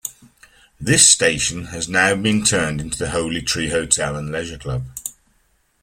This station has now been turned into The Holly Tree Hotel and Leisure Club.